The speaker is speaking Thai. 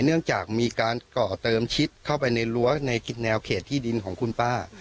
เนื่องจากมีการก่อเติมชิดเข้าไปในรั้วในแนวเขตที่ดินของคุณป้า